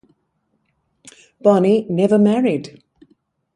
Bonney never married.